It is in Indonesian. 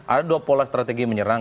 ada dua pola strategi menyerang